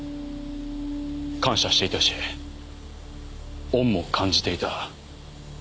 感謝していたし恩も感じていた。